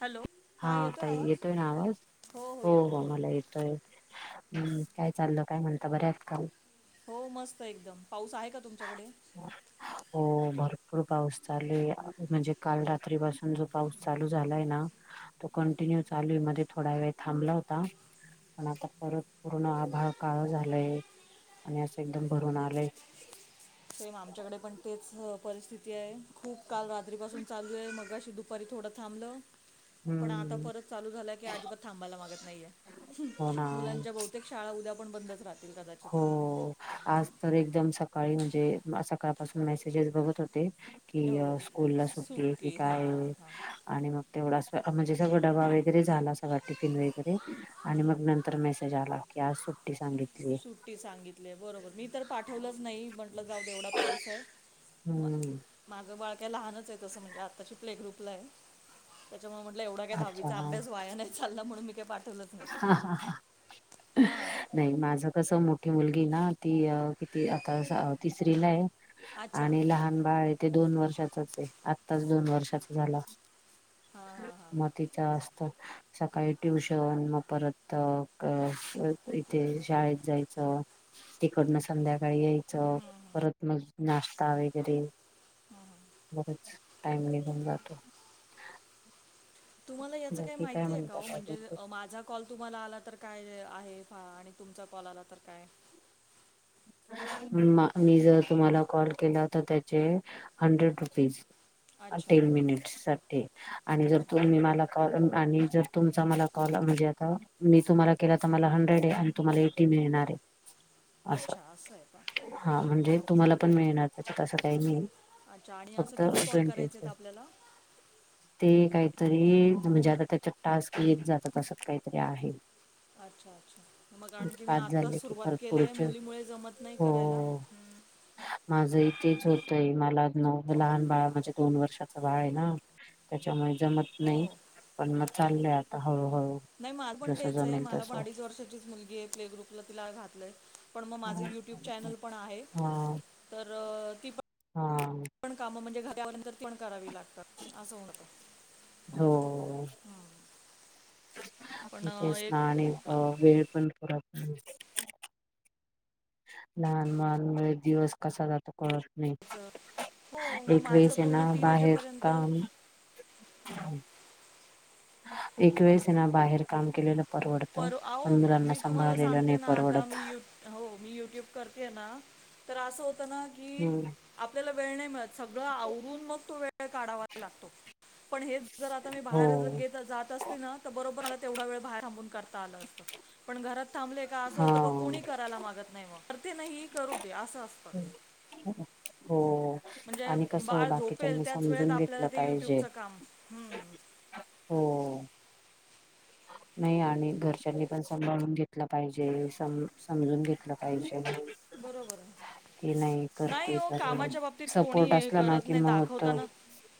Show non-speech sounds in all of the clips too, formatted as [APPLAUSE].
Hello हा येतोय ताई आवाज येतोय ना आवाज हो हो मला येत. हं-हम् काय चाललं काय म्हणता बऱ्या आहात का? हो मस्त एकदम पाऊस आहे का? तुमच्याकडे. हो भरपूर पाऊस चालू आहे. म्हणजे काल रात्री पासून जो पाऊस चालू झालाय ना तो कंटिन्यू चालू आहे. मध्ये थोडा वेळ थांबला होता. पण आता परत पूर्ण आभाळ काळ झालंय आणि असं एकदम भरून आलंय. सेम आमच्याकडे पण तेच परिस्थिती आहे. खूप काल रात्रीपासून चालू आहे मगाशी दु दुपारी थोडं थांबलं पण आता हम्म परत चालू झालं की अजिबात थांबायला मागत नाहीये हो ना मुलांच्या बहुतेक शाळा उद्या पण बंदच राहात हो. आज तर एकदम सकाळी म्हणजे, सकाळपासून मेसेजेस बघत होते, की अं हो स्कूल ला सुट्टी आहे की सुटकी हां काय, हां आणि मग तेवढा म्हणजे सगळ डबा वगै वगैरे झाला सगळा टिफिन वगैरे, आणि मग हं. नंतर मेसेज आला की आज सुट्टी सांगितलीय. सुट्टी सांगितलीय बरोबर, मी तर पाठवलंच नाही म्हंटलं जाऊ दे एवढा पाऊस आहे, हम्म माझं बाळ काय लहानच आहे तसं म्हणजे, आत्ताशी प्ले ग्रुपला आहे. त्याच्यामुळे म्हटलं एवढा काय अच्छा दहावीचा अभ्यास वाया नाही चाला म्हणून मी काय पाठ हा हा हा. हां नाही माझं कसं मोठी मुलगी ना, हो ती किती आता तिसरी ला आहे. अच्छा आणि लहान बाळ आहे ते दोन वर्षाचाच आहे, आत्ताच दोन वर्षाचा झाला. हां हां हां मातीच असतं सकाळी ट्युश ण मग परत इथे, शाळेत जायचं. तिकडनं संध्याकाळी यायचं, परत मग नाश्ता वगैरे,, बराच टाइम नीघून जातो. तुम्हाला याचं काही बाकी काय माहिती आहे का ओ म्हणतात म्हणजे अजून माझा कॉल तुम्हाला आला तर काय आहे हां, आणि तुमचा कॉल आला तर काय मी जर तुम्हाला कॉल केला तर त्याचे हंड्रेड रुपीज. अच्छा टेन मिनिट साठी, आणि जर अच्छा तुम्ही मला आणि जर तुमचा मला कॉल म्हणजे आता, मी तुम्हाला केला तर मला हंड्रेड आहे, तुम्हाला ए टी मिळणार आहे. अच्छा असं आहे का. हा म्हणजे, तुम्हाला पण मिळणार त्याच्यात तसं काही नाही. अच्छा, आणि असं फक्त किती कॉल करायच ट्वेंटीच आहेत आपल्याला? ते काहीतरी, म्हणजे आता त्याच्यात टास्क येत जातात, तसं काहीतरी आहे. अच्छा अच्छा, मग कारण की मी पाच आत्ताच झाले की सुरुवात परत केलीय, पुढचे मुलीमुळे जमत नाही करायला, हम्म माझं इ तेच होतंय, मला लहान बाळ म्हणजे दोन वर्षाचा बाळ आहे ना. त्याच्यामुळे जमत हो नाही, हो पण मग चाललंय आता हळूहळू. नाही माझं पण जसं तेच आहे, जमेल मला तसं अडीच वर्षाचीच मुलगी आहे, प्ले ग्रुपला तिला घातलंय. पण मग माझं हा यूट्यूब चॅनल पण आहे, तर ती पण हां. ण काम म्हणजे घरीवरंतण करावी लागतात, असं होतं. हो. पण म्ह अ, तेच एक ना, आणि अ आ- वेळ पण पुरत लहान मुला मुळ दिवस कसा जातो कळत नाही. चं- हो मग एक माझं वेळेस ये ना पूर्ण तीन बाहेर वाजेपर्यंत काम हां एक वेळेसना बाहेर काम केलेलं परवडतं,, पर अहो पण मुलांना मी तुम्हाला सांभाळलेलं सांगते नाही ना आता मी परवडत. यू हो, मी युट्यूब करतेय ना, तर असं होतं ना की हम्म आपल्याला वेळ नाही मिळत, सगळं आवरून मग तो वेळ काढावा लागतो, पण हे जर आता मी हो बाहेर जात असते ना, तर बरोबर मला तेवढा वेळ बाहेर थांबून झालं असतं,, पण घरात थांबले का असं होतं कुणी हा करायला मागत नाही मग,, करते ना ही, करू दे असं असतं. हो म्हणजे आणि कसं बाळ बाकीच्यांनी झोपेल, त्याच वेळेत समजून आपल्याला घेतलं ते पाहिजे युट्यूबचं काम हम्म हो. नाही आणि घरच्यांनी पण सांभाळून घेतलं पाहिजे स समजून घेतलं पाहिजे. बरोबर आहे. की नाही करते हो तर कामाच्या बाबतीत कोणी सपोर्ट हे असला ना करत कि नाही मग होत दाखवताना.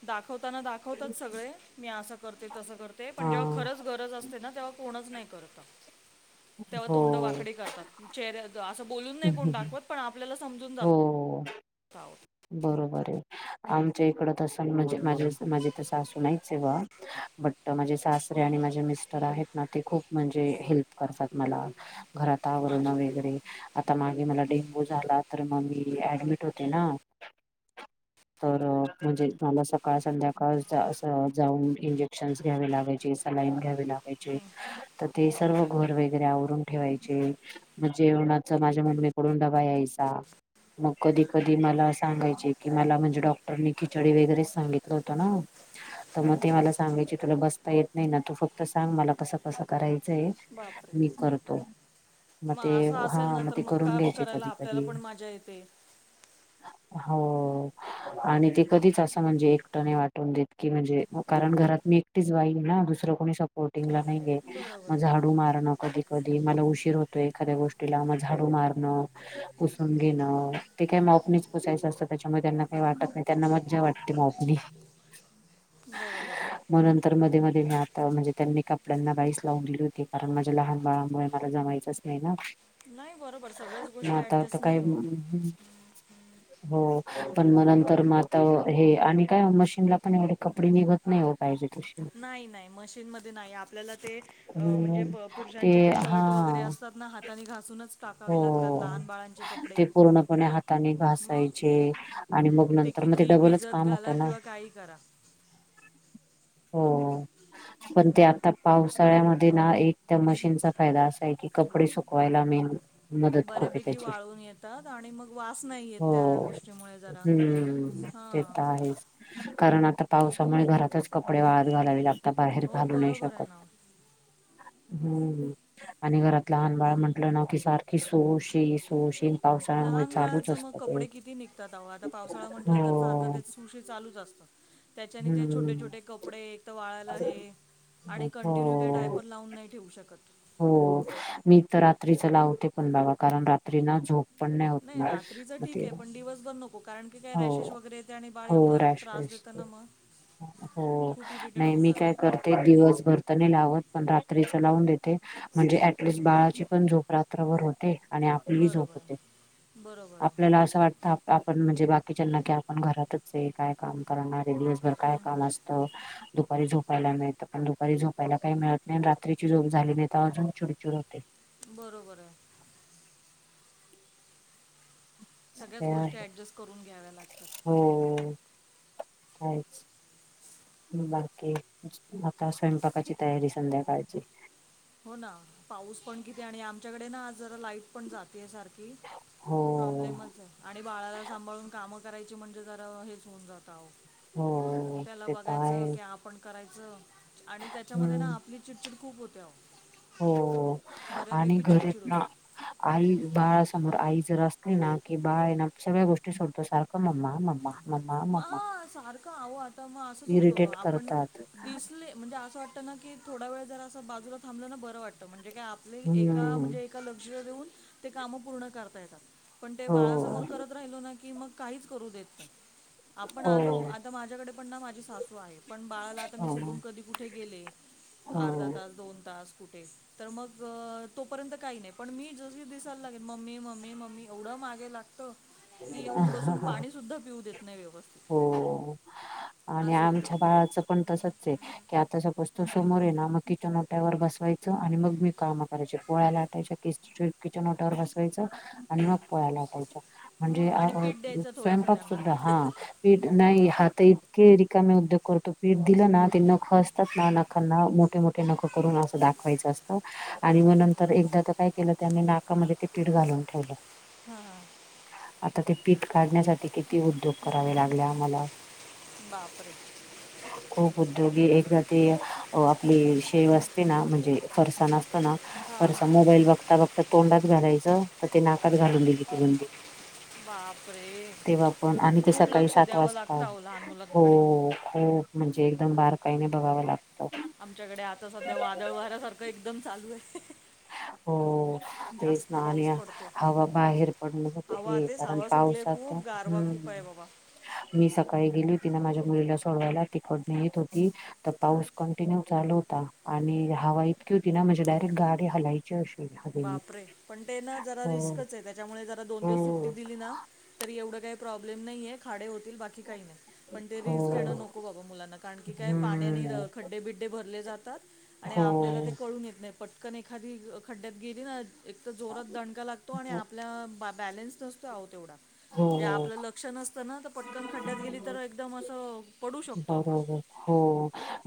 दाखवताना दाखवतात सगळे. मी असं करते तसं करते पण हा जेव्हा खरंच गरज असते ना तेव्हा कोणच नाही करत. तेव्हा हो तोंड वाकडी करतात चेहऱ्या असं बोलून नाही कोण दाखवत पण आपल्याला समजून जात. हो [INAUDIBLE] हा. बरोबर आहे आमच्या इकड तस म्हणजे माझ माझे सासू नाहीच हे बॉ बट माझे सासरे अणि माझे मीस टर आहेत ना ते खूप म्हणजे हेल्प करतात मला घरात आवरण अच्छा वगैरे आता मागे मला डेंगू झाला तर मग मी ऍडमिट होते ना. तर म्हणजे मला सकाळ, संध्याकाळ जाऊन इंजेक्शनस घ्यावे लागायचे लाईन घ्यावे लागायचे तर ते सर्व बापरे घर वगैरे आवरून ठेवाय चे मग जेवणाच माझ्या मम्मीकडून डबा यायचा. मग कधी कधी मला अस सांगायचे कि मला म्हणजे डॉक्टरनी खिचडी वगैरेच सांगितलं होत ना. तर मग ते मला सांगायचे तुला बसता येत नाही ना तू फक्त सांग मला कसं कसं करायचंय बापरे मी करतो. मग ते असं हा असेल ना मग तर ते करून काम घ्यायचे करायला कधी आपल्याला कधी. पण मजा येते हो आणि ते कधीच असं म्हणजे एकट नाही वाटून देत की म्हणजे कारण घरात मी टीच वाई ना दुसरं कोणी सपोर्टिंगला नाहीये. बरोबर मग आहे झाडू मारणं कधी कधी मला उशीर होतो एखाद्या गोष्टीला मग झाडू मारणं, - पुसून घेण ते काय माप निच पुसायचं असतं त्याच्यामुळे त्यांना काही वाटत नाही त्यांना मज्जा वाटते मापनी. [INAUDIBLE] बरोबर आहे. मग नंतर मध्ये मध्ये मी आता म्हणजे त्यांनी कपड्यांना बाईस लावून दिली होती कारण माझ्या लहान बाळामुळे मला जमायचं तसं नाही ना. नाही बरोबर सगळ्याच मग गोष्ट आता आता ऍडजस्ट काय नाही होत. हो पण मग नंतर मग आता हो, हे आणि काय मशीनला पण एवढे कपडे निघत नाही हो. पाहिजे तसे. नाही नाही मशीनमध्ये नाही आपल्याला ते हम्म म्हणजे ते पुरुषांचे जे हा शर्ट वगैरे असतात ना हात तान घासूनच. हो टाकावे लागतात लहान बाळांचे ते कपडे पूर्णपणे हाताने मग घसायचे. आणि मग नंतर मग ते कितीही डबलच भिजत काम घाला होतं ना. किंवा काही करा [INAUDIBLE] [INAUDIBLE] हो हो. पण ते आता पावसाळ्यामध्ये ना एक त्या मशीनचा फायदा असा आहे की कपडे सुकवायला मेन मदत खूप आहे बऱ्यापैकी त्याची, वाळून येतात आणि मग वास नाही येत त्या हो गोष्टीमुळे जरा हम्म. ते हां तर आहेच कारण आता पावसामुळे घरातच कपडे वाळत घालावे लागत ता बाहेर हो घालू नाही बरोबर शकत. आहे ना हम्म आणि घरात लहान बाळ म्हंटलं ना कि सारख कि सु शी सु शी- लहान बाळाचं मग कपडे किती निघतात आहो आता पावसाळा म्हटलं तर सारखं हो तेच सु शी चालूच असतं. त्याच्याने ते हम्म छोटे-छोटे कपडे एक तर वाळायला हे. आणि हो कंटिन्यू त्या डायपर लावून नाही ठेवू शकत. हो मी तर रात्रीच लावते पण बाबा कारण रात्री ना झोप पण होत नाही ना रात्रीच मग ठीक ते आहे पण दिवसभर नको. कारण की काय हो रॅशेस वगैरे येते आणि बाळ हो एवढं त्रास रॅश देतं ना मग. हो खूप इरिटेड नाही होऊन मी काय जातं करते. ते दिवस भरतनी लावत पण रात्रीचं लावून देते. म्हणजे ऍटलिस्ट बाळाची पण झोप रात्रभर होते. आणि आपली झोप बरोबर होते आहे बरोबर आपल्याला आहे असं वाटतं आपण म्हणजे बा बा किचन न की आपण घरातच आहे काय काम करणार, दिवसभर काय? काम असतं. दुपारी झोपायला मिळतं पण दुपारी झोपायला काही मिळत नाही रात्रीची झोप झाली नाही तर अजून चिडचिड होते. बरोबर आहे. सगळ्याच गोष्टी ॲडजेस्ट करून घ्याव्या लागतात. होम् कायच. बाकी आता स्वयंपाकाची तयारी संध्याकाळची. हो ना पाऊस पण किती? आणि आमच्याकडे ना आ जरा लाईट पण जाते सारखी हो प्रॉब्लेमच आहे आणि बाळाला सांभाळून काम करायची. किचन मध्ये जर हेच होऊन जात आहो हो त्याला ते तर बघायचं आहे की आपण करायचं आणि त्याच्यामध्ये हम्म ना आपली चिडचिड खूप होते्या अहो. हो आणि बऱ्यापैकी घरी चिडचिड ना. होते आई बाळासमोर आई जर असली ना की बाळ आहे ना सगळ्या गोष्टी सोडतो सारखं मम्मा. मम्मा मम्मा मम्मा हा सारखं हवं आता मग असंच होतं इरिटेट आपण करतात दिसले म्हणजे असं वाट क थोड वेळ जर असं बाजूला थांबलं ना बरं वाटतं म्हणे काय आपली एका हम्म म्हणजे. ल देऊ काम पूर्ण करता येतात पण ते हो बा समोर राहिलो ना की मग. काहीच करू देत नाही आपण हो आलो आता माझ्याकडे पण ना माझी सासू आहेत. पण बाळाला आता मी हो सोडून कधी कुठे गेले हो अर्धा तास दोन तास. कुठे तर मग तोपर्यंत काही नाही पण मी ज दिसायला लागेल मम्मी, मंम्मी, मंम्मी. एवढं मागे लागत की येऊन बसून पाणी सुद्धा पिऊ देत नाही व्यवस्थित. हो आणि असं होतं आमच्या बाळाचं पण तसच आहे. की आता सपोज तो समोर ये ना मग किचनोट्यावर बसवायचं आणि मग मी काम करायचे पोळ्याला आटायच्या किस स्ट्रीट किचन ओट्यावर बसवायच. अनमग पोळाला वाटायचा म्हणजे मग आणि पीठ द्यायचं थोडंसं स्वयंपाक त्यांना सुद्धा हा. पीठ नाही हात इतके रिकामे उद्योग करतो पीठ दिलं ना ते न खं असतात. ना नखांना मोठे मोठे नकं करून असं दाखवायचं असतं. आणि मग नंतर एकदा तर काय केलं त्या आही नाकामध्ये ते पीठ घालून ठेवलं. हा. आता ते पीठ काढण्यासाठी किती उद्योग करावे लागले आम्हाला. बापरे! खूप उद्योगी एकदा ते आपली शेव असते ना म्हणजे फरसाण असतो ना. हा हा बरसा हा मोबाईल बघता बघता तोंडात घालायचं तर ते नाकात घालून दिेली ती बंदी. बापरे तेव्हा पण आणि ते खूप सकाळी लक्ष सात द्यावं लागतं अहो लहान हो मुलांकडे खूप म्हणजे एकदम बारकाईने बघावं लागतं. आमच्याकडे आता सध्या वादळ वाऱ्या सारखं एकदम चालू आहे. हो. तेच जास्त ना आणि पाऊस पडतोय हवा बाहेर पडण हे कारण पाऊसता हम्म. व्हय बाबा. मी सकाळी गेल होती तिने माझ्या मुलीला सोडवायला तिकडणं येत होती. तर पाऊस कंटिन्यू चालू होता आणि हवा इतकी होती ना म्हणजे डायरेक्ट गाडी हलायची [UNINTELLIGIBLE] बापरे पण ते ना जरा हो रिस्कच आहे त्याच्यामुळे जरा दोन हो दिवस सुट्टी दिली ना तरी एवढ काही प्रॉब्लेम नाहीये खाडे होतील बाकी काही नाही पण हो रीस्क घेन नको बाबा मुलांना कारण की काय पाणी हम्म ण्याने खड्डे बिड्डे भरले जातात आणि हो आपल्याला कळून येत नाही पटकन एखादी खड्ड्यात गेलीना एक तर जोरात दणका लागतो आणि आपल्या बॅलेन्स नसतो आहो तेवढा. म्हणजे हो आपल लक्ष नसत ना तर पटकन खड्ड्यात गेली तर एकदम अस बरोबर हो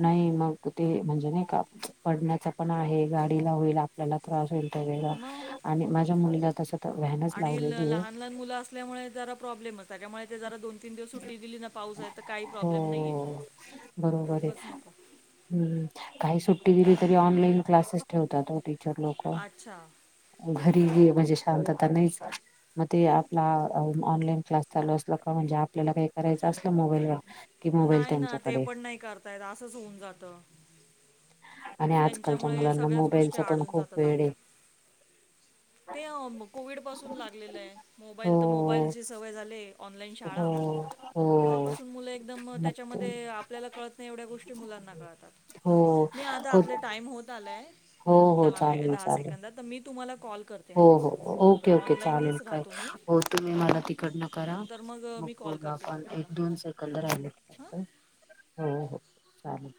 नाही मग ते म्हणजे नाही का पडण्याच पण आहे गाडीला [UNINTELLIGIBLE] आपल्याला त्रास होईल त्यावेळेला मग आणि माझ्या मुलीला तस तर व्हॅनच आणि लहान लावलेली आहे लहान मुल असल्यामुळे जरा प्रॉब्लेमच त्याच्यामुळे ते जरा दोन तीन दिवस सुट्टी दिली ना पाऊस आहे तर काही प्रॉब्लेम नाहीये हो ते बरोबर आहे उघच नको. हम्म काही सुट्टी दिली तरी ऑनलाईन क्लासेस ठेवतात ओ टीचर लोक. अच्छा घरी म्हणजे शांतता नाहीच मग ते आपला ऑनलाईन क्लास चालू असला का म्हणजे आपल्याला काही करायच असल मोबाईलवर कि मोबाईल नाही ना ते त्यांच्याकडे पण नाही करता येत असच होऊन जात. आणि आजकालच्या त्यांच्यामुळे मुलांना सगळ्याच गोष्टी मोबाईलचा पण आडून खूप जातात वेळ आहे आपल्या. ते कोव्हिड पासून लागलेल आहे मोबाईल तर हो मोबाईलची सवय झालीय. ऑनलाईन शाळा. हो हो तेव्हापासून मुल एकदम मग त्याच्यामध्ये आपल्याला कळत नाही एवढ्या गोष्टी मुलांना कळतात. हो मी आता [UNINTELLIGIBLE] आपले टाईम होत आलाय हो हो दहा मि चालेल दहा चालेल सेकंदात तर मी तुम्हाला कॉल करते. हो हां हो ओके ओके चालेल ऑनलाईनच काय राहतो मी हो तुम्ही मला ता तिकडन करा तर मग मी कॉल बोलू. या करते कॉलचे तुम्हाला एक दोन सेकंद राहिले हां फक्त हो हो चालेल.